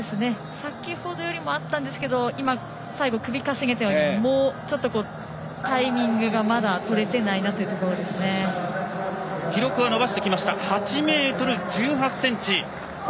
先ほどよりもあったんですけど今、最後、首をかしげてもうちょっとタイミングがまだ取れていないな記録を伸ばしてきました８ｍ１８ｃｍ。